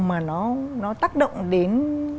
mà nó tác động đến